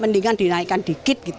mendingan dinaikkan dikit gitu